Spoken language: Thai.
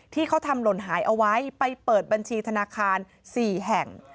ที่เขาทำหล่นหายเอาไว้ไปเปิดบัญชีธนาคาร๔แห่ง